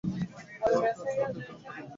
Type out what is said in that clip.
যা হোক, আজ রাত্রে যাবেন কোথায়?